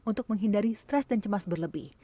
untuk menghindari stres dan cemas berlebih